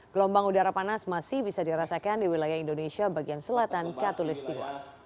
gelombang udara panas masih bisa dirasakan di wilayah indonesia bagian selatan katolistiwa